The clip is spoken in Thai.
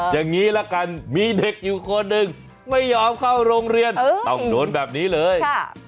อย่างนี้ละกันมีเด็กอยู่คนหนึ่งไม่ยอมเข้าโรงเรียนต้องโดนแบบนี้เลย